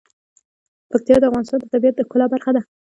پکتیا د افغانستان د طبیعت د ښکلا برخه ده.